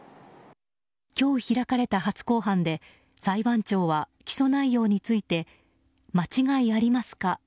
今日開かれた初公判で、裁判長は起訴内容について間違いありますか？